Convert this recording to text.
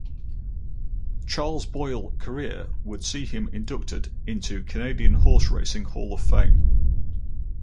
Charles Boyle career would see him inducted into Canadian Horse Racing Hall of Fame.